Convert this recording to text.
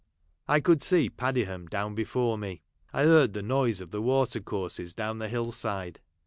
I could see Padiham down before me. I heard the noise of the water courses down the lull side.